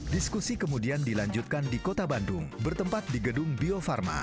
diskusi kemudian dilanjutkan di kota bandung bertempat di gedung bio farma